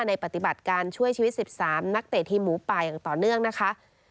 ปฏิบัติการช่วยชีวิต๑๓นักเตะทีมหมูป่าอย่างต่อเนื่องนะคะ